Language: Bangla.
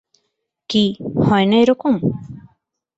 কি, হয় না এ রকম?